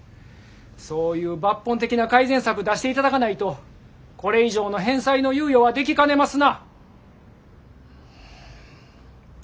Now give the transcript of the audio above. そういう抜本的な改善策出していただかないとこれ以上の返済の猶予はできかねますな。